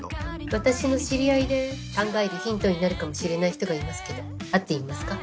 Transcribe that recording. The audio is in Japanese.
私の知り合いで考えるヒントになるかもしれない人がいますけど会ってみますか？